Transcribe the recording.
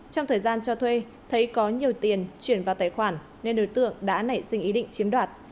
trong thời gian cho thuê thấy có nhiều tiền chuyển vào tài khoản nên đối tượng đã nảy sinh ý định chiếm đoạt